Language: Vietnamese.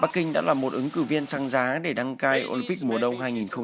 bắc kinh đã là một ứng cử viên xăng giá để đăng cai olympic mùa đông hai nghìn hai mươi